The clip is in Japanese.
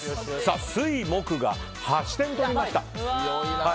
水、木が８点取りました。